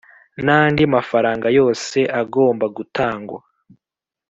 n andi mafaranga yose agomba gutangwa